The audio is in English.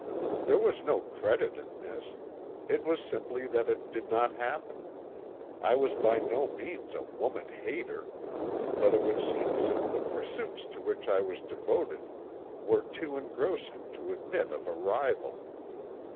There was no credit in this; it was simply that it did not happen. I was by no means a woman hater, but it would seem as if the pursuits to which I was devoted were too engrossing to admit of a rival.